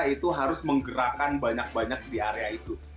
itu harus menggerakkan banyak banyak di area itu